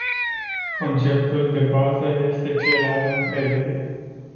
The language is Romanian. Conceptul de bază este cel al încrederii.